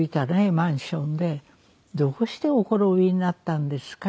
マンションでどうしてお転びになったんですか？」。